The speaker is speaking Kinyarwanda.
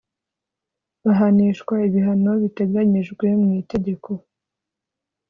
Bahanishwa ibihano biteganyijwe mu itegeko